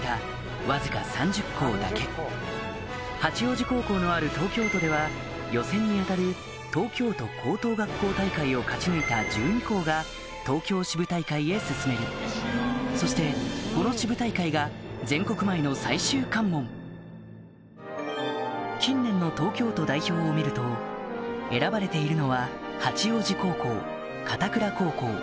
わずか３０校だけ八王子高校のある東京都では予選に当たる東京都高等学校大会を勝ち抜いた１２校が東京支部大会へ進めるそしてこの支部大会が全国前の最終関門近年の東京都代表を見ると選ばれているのは八王子高校片倉高校